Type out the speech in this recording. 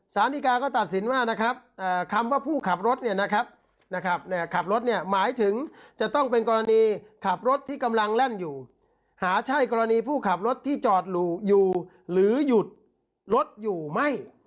สารดีกาก็ตัดสินว่านะครับคำว่าผู้ขับรถเนี่ยนะครับขับรถเนี่ยหมายถึงจะต้องเป็นกรณีขับรถที่กำลังแล่นอยู่หาใช่กรณีผู้ขับรถที่จอดอยู่หรือหยุดรถอยู่ไม่